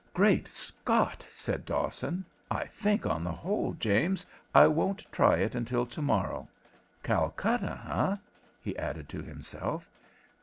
"Great Scott!" said Dawson. "I think, on the whole, James, I won't try it until to morrow. Calcutta, eh!" he added to himself.